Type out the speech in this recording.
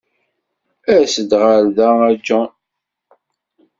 As-d ɣer da a John.